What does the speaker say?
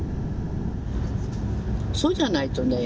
そうじゃないとね